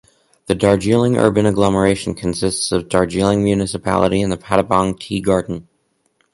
The Darjeeling urban agglomeration consists of Darjeeling Municipality and the Pattabong Tea Garden.